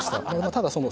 ただその